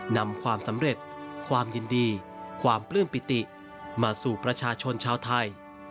นำความสำเร็จความยินดีความปลื้มปิติมาสู่ประชาชนชาวไทย